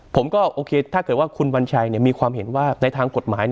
ผมก็โอเคถ้าเกิดว่าคุณวัญชัยมีความเห็นว่าในทางกฎหมาย